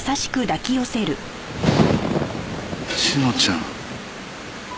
志乃ちゃん。